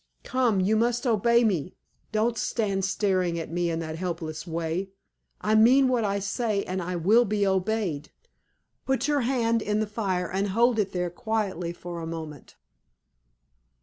Come; you must obey me. Don't stand staring at me in that helpless way. I mean what I say, and I will be obeyed. Put your hand in the fire, and hold it there quietly for a moment!"